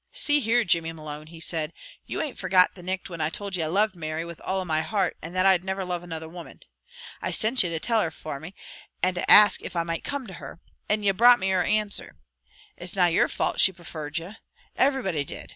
"See here, Jimmy Malone," he said. "Ye ain't forgot the nicht when I told ye I loved Mary, with all my heart, and that I'd never love another woman. I sent ye to tell her fra me, and to ask if I might come to her. And ye brought me her answer. It's na your fault that she preferred ye. Everybody did.